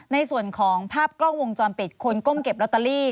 ในส่วนของภาพกล้องวงจรปิดคนก้มเก็บลอตเตอรี่